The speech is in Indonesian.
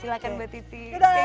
silahkan mbak titi